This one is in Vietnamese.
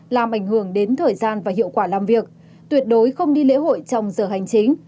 làm ảnh hưởng đến thời gian và hiệu quả làm việc tuyệt đối không đi lễ hội trong giờ hành chính